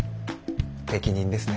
適任ですね。